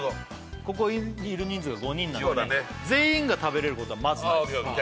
ここにいる人数が５人なんで全員が食べれることはまずないです